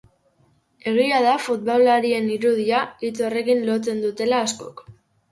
Egia da futbolariaren irudia hitz horrekin lotzen dutela askok.